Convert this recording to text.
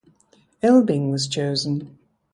Elbing was chosen.